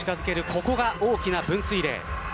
ここが大きな分水嶺。